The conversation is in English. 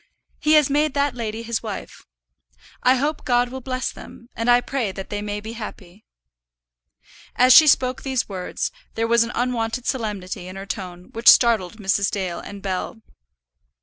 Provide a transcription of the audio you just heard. "He has made that lady his wife. I hope God will bless them, and I pray that they may be happy." As she spoke these words, there was an unwonted solemnity in her tone which startled Mrs. Dale and Bell.